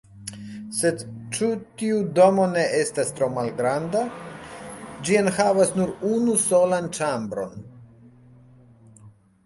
Sed ĉu tiu domo ne estas tro malgranda? Ĝi enhavas nur unu solan ĉambron.